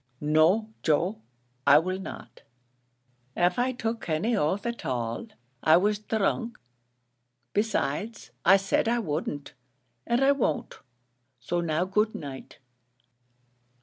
"No, Joe, I will not; av I took any oath at all, I was dhrunk: besides, I said I wouldn't, and I won't; so now good night."